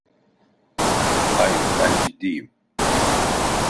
Hayır, ben ciddiyim.